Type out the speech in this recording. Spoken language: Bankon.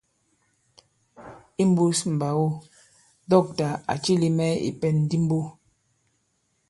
Imbūs mbàgo dɔ̂ktà à cilī mɛ̀ ìpɛ̀n di mbo.